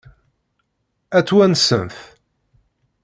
Ad tt-wansent?